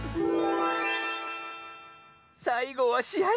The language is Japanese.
さいごはしあい！